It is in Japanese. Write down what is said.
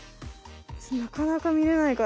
なかなかみれないから。